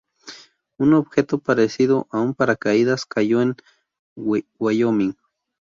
Un objeto parecido a un paracaídas cayó en Wyoming.